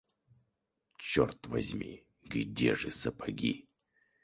Черт возьми! где же сапоги?